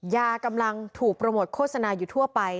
ยากำลังถูกโปรโมทโฆษณาอยู่ทั่วไป